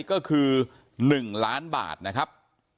ก็คือ๑ล้านบาทนะครับ